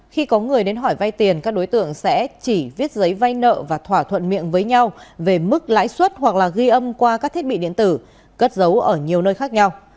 khi có người đến hỏi vay tiền các đối tượng sẽ chỉ viết giấy vay nợ và thỏa thuận miệng với nhau về mức lãi suất hoặc là ghi âm qua các thiết bị điện tử cất dấu ở nhiều nơi khác nhau